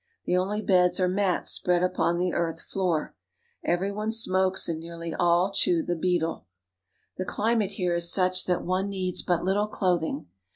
The only beds are mats spread upon the earth floor. Every one smokes, and nearly all chew the betel. The climate here is such that one needs but little cloth ing.